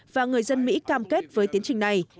và người dân mỹ cam kết với tiến trình này